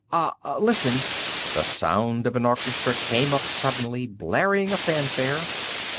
Ah listen...." The sound of an orchestra came up suddenly, blaring a fanfare.